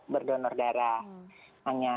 berdonor darah hanya